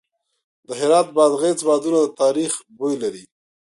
د هرات بادغیس بادونه د تاریخ بوی لري.